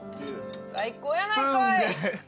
最高やないかい！